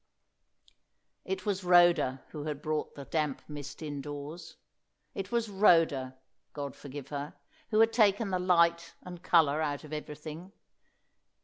It was Rhoda who had brought the damp mist indoors. It was Rhoda God forgive her who had taken the light and colour out of everything.